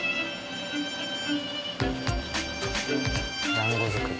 だんご作り。